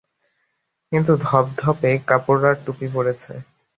কিন্তু ধপধপে কাপড় আর টুপি পরেছে।